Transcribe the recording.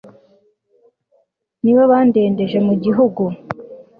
nibo badendeje mu gihugu